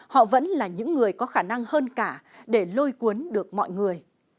họ vẫn là những người có khả năng hơn cả để lôi cuốn được mọi người